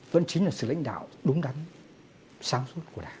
vẫn chính là sự lãnh đạo đúng đắn sáng suốt của đảng